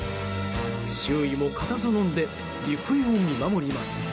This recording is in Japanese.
周囲も固唾をのんで行方を見守ります。